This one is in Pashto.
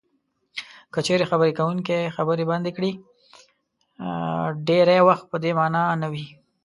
که چېرې خبرې کوونکی خبرې بندې کړي ډېری وخت په دې مانا نه وي.